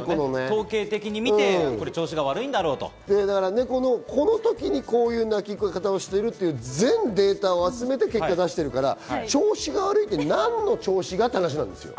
ネコのこの時にこういう鳴き方をしているという全データを集めて結果出してるから調子が悪いって何の調子だ？って話なんですよ。